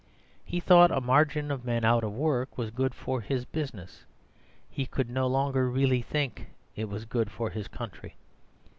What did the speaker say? He thought a margin of men out of work was good for his business; he could no longer really think it was good for his country.